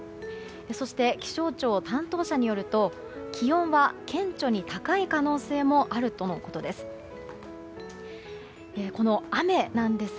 そして、気象庁担当者によると気温は顕著に高い可能性もあるとのことです。